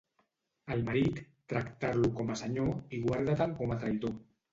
Al marit, tractar-lo com a senyor i guardar-te'n com a traïdor.